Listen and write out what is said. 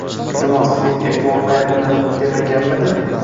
Iltimos, men eplolmayapman demaganmidi?